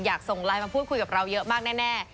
ส่งไลน์มาพูดคุยกับเราเยอะมากแน่